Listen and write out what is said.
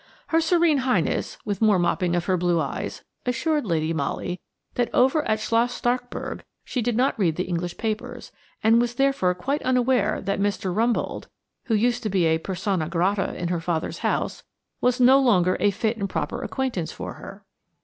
Her Serene Highness, with more mopping of her blue eyes, assured Lady Molly that over at Schloss Starkburg she did not read the English papers, and was therefore quite unaware that Mr. Rumboldt, who used to be a persona grata in her father's house, was no longer a fit and proper acquaintance for her.